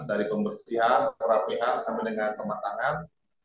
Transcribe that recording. dari pembersihan kerapihan sampai dengan pematangan